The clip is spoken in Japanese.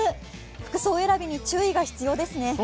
服装選びに注意が必要ですね。